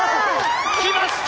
きました！